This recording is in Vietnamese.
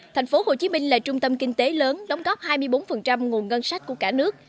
tp hcm là trung tâm kinh tế lớn đóng góp hai mươi bốn nguồn ngân sách của cả nước